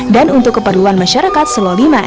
dan untuk keperluan masyarakat seloliman